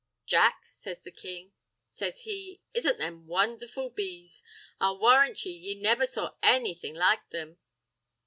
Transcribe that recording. "Jack," says the king, says he, "isn't them wondherful bees? I'll warrant ye, ye never saw anything like them?"